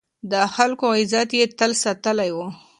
د خلکو عزت يې تل ساتلی و.